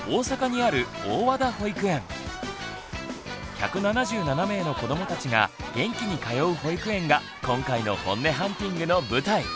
１７７名の子どもたちが元気に通う保育園が今回のホンネハンティングの舞台。